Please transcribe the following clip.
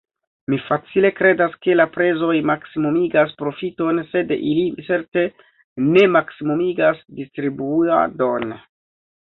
Mi malfacile kredas, ke la prezoj maksimumigas profiton, sed ili certe ne maksimumigas distribuadon.